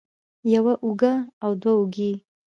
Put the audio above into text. يوه اوږه او دوه اوږې